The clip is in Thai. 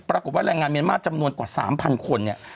ปรากฏว่าแรงงานเมียนมาสจำนวนกว่า๓๐๐๐คนเนี่ย